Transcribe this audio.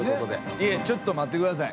いえちょっと待って下さい。